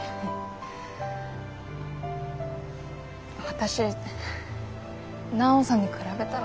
私奈央さんに比べたら。